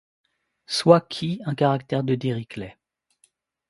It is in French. Soit χ un caractère de Dirichlet.